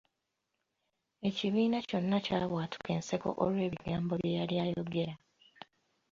Ekibiina kyonna kyabwatuka enseko olw'ebigambo byeyali ayogera.